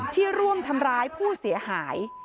ร่วมทำร้ายผู้เสียหาย